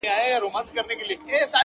رنګین الفاظ یې رخت و زېور دی -